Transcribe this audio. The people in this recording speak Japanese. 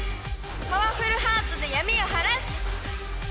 パワフルハートで闇を晴らす！